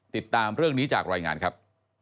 ติดตามเรื่องนี้จากรายงานครับ